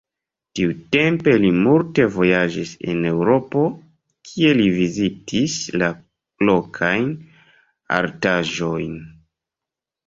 Tiutempe li multe vojaĝis en Eŭropo, kie li vizitis la lokajn artaĵojn.